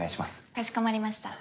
かしこまりました。